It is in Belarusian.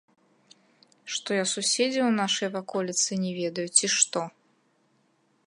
Што я суседзяў у нашай ваколіцы не ведаю, ці што?